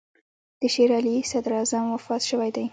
د شېر علي صدراعظم وفات شوی دی.